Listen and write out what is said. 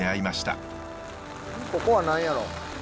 ここは何やろ。